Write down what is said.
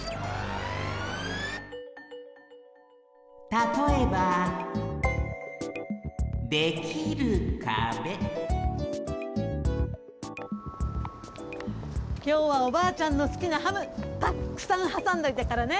たとえばきょうはおばあちゃんのすきなハムたっくさんはさんどいたからね。